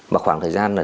mà khoảng thời gian là